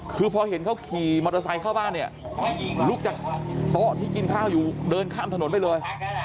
คือพอเห็นเขาขี่มอเตอร์ไซค์เข้าบ้านเนี่ยลุกจากโต๊ะที่กินข้าวอยู่เดินข้ามถนนไปเลย